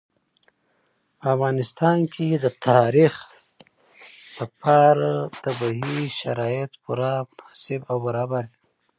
په افغانستان کې د تاریخ لپاره طبیعي شرایط پوره مناسب او برابر دي.